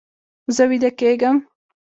زه ویده کیږم